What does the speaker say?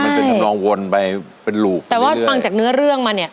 จะเป็นทำนองวนไปเป็นลูกแต่ว่าฟังจากเนื้อเรื่องมาเนี้ย